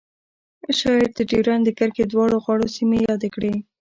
شاعر د ډیورنډ د کرښې دواړو غاړو سیمې یادې کړې